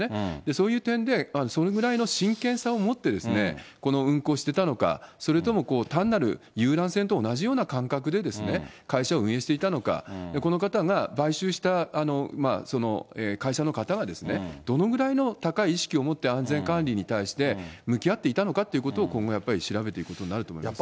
そういう点で、それぐらいの真剣さを持って、この運航してたのか、それとも、単なる遊覧船と同じような感覚で、会社を運営していたのか、この方が、買収した会社の方が、どのぐらいの高い意識を持って安全管理に対して向き合っていたのかということを、今後やっぱり調べていくことになると思いますね。